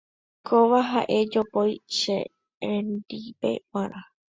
Kóva ha'e jopói che reindýpe g̃uarã.